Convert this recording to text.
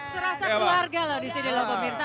serasa keluarga disini loh pemirsa